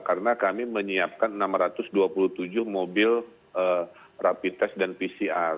karena kami menyiapkan enam ratus dua puluh tujuh mobil rapi tes dan pcr